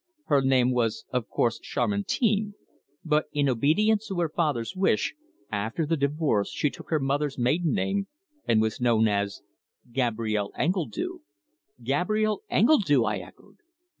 "Her name was, of course, Chamartin, but in obedience to her father's wish, after the divorce she took her mother's maiden name, and was known as Gabrielle Engledue." "Gabrielle Engledue!" I echoed.